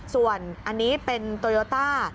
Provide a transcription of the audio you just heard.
ส่วนอันนี้เป็นโตโยต้า